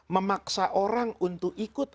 memaksa orang untuk ikut